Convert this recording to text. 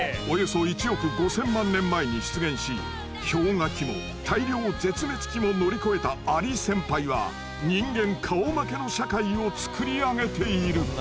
およそ１億５，０００万年前に出現し氷河期も大量絶滅期も乗り越えたアリ先輩は人間顔負けの社会を作り上げている。